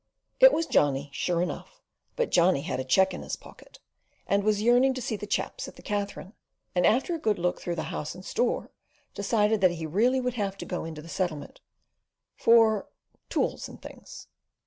It was Johnny, sure enough; but Johnny had a cheque in his pocket, and was yearning to see the "chaps at the Katherine"; and, after a good look through the House and store, decided that he really would have to go in to the Settlement for—tools and "things."